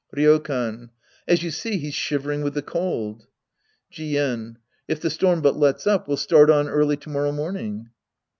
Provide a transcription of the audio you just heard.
Ryokan. As you see, he's shivering v/ith the cold. Jien. If the storm but lets up, we'll start on early to morrow morning.